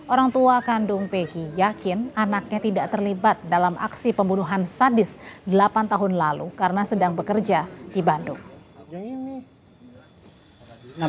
orang tua kandung peggy yakin anaknya tidak terlibat dalam aksi pembunuhan sadis delapan tahun lalu karena sedang bekerja di bandung